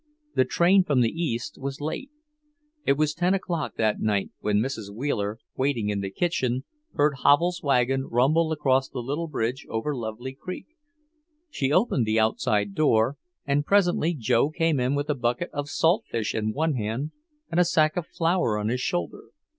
The train from the east was late; it was ten o'clock that night when Mrs. Wheeler, waiting in the kitchen, heard Havel's wagon rumble across the little bridge over Lovely Creek. She opened the outside door, and presently Joe came in with a bucket of salt fish in one hand and a sack of flour on his shoulder.